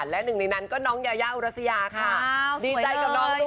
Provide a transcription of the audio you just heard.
และหนึ่งในนั้นก็น้องยายาอุรัสยาค่ะดีใจกับน้องด้วย